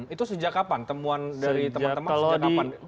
itu sejak kapan temuan dari teman teman